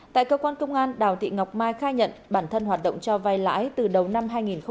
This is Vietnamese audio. tại cơ quan công an đào thị ngọc mai khai nhận bản thân hoạt động cho vai lãi từ đầu năm hai nghìn hai mươi ba